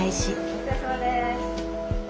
お疲れさまです。